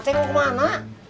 ceng mau ke mana